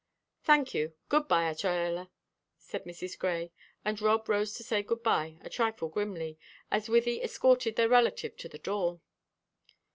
"Thank you; good by, Azraella," said Mrs. Grey, and Rob arose to say good by a trifle grimly, as Wythie escorted their relative to the door.